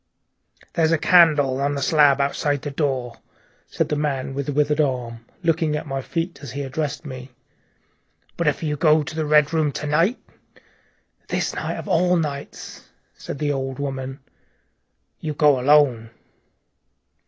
"There's a candle on the slab outside the door," said the man with the withered hand, looking at my feet as he addressed me. "But if you go to the Red Room to night " "This night of all nights!" said the old woman, softly. " You go alone."